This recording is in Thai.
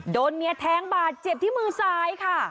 โดนเมียแทงบาดเจ็บที่มือซ้ายค่ะ